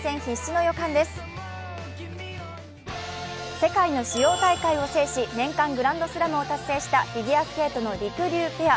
世界の主要大会を制し年間グランドスラムを達成したフィギュアスケートのりくりゅうペア。